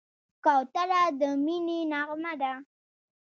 کوتره د مینې نغمه ده.